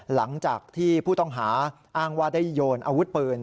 หลังจากที่ผู้ต้องหาอ้างว่าได้โยนอาวุธปืน